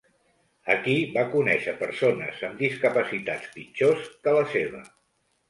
Aquí, va conèixer persones amb discapacitats pitjors que la seva.